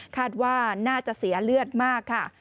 คาดว่าน่าจะเสียเลือดมากค่ะ